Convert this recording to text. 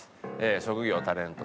職業タレント。